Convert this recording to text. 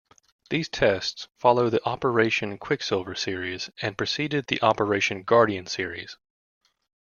These tests followed the "Operation Quicksilver" series and preceded the "Operation Guardian" series.